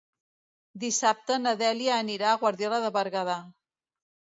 Dissabte na Dèlia anirà a Guardiola de Berguedà.